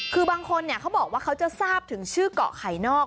คือบางคนเขาบอกว่าเขาจะทราบถึงชื่อเกาะไข่นอก